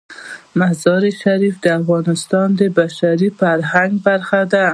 مزارشریف د افغانستان د بشري فرهنګ برخه ده.